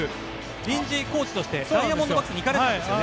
臨時コーチとしてダイヤモンドバックスに行かれたんですよね。